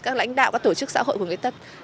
các lãnh đạo các tổ chức xã hội của người khuyết tật